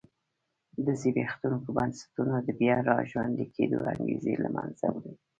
د زبېښونکو بنسټونو د بیا را ژوندي کېدو انګېزې له منځه وړي.